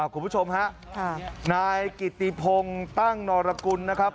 คุณผู้ชมฮะนายกิติพงศ์ตั้งนรกุลนะครับ